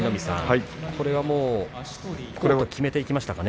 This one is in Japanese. これはもう決めていきましたかね。